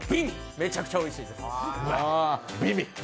めちゃくちゃおいしいんです。